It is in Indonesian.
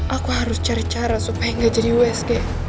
aku harus cari cara supaya nggak jadi usg